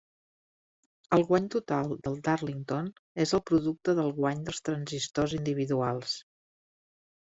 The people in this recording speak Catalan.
El guany total del Darlington és el producte del guany dels transistors individuals.